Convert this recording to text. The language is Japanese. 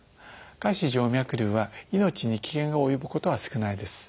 下肢静脈りゅうは命に危険が及ぶことは少ないです。